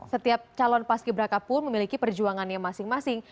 setiap calon paski braka pun memiliki perjuangannya masing masing